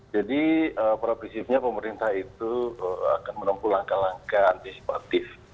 jadi provisifnya pemerintah itu akan menempuh langkah langkah antisipatif